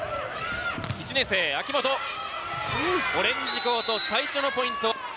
１年生、秋本オレンジコート最初のポイント。